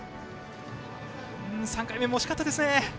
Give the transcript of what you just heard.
３回目も惜しかったですね。